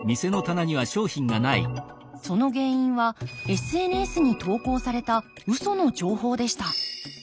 その原因はＳＮＳに投稿されたウソの情報でした。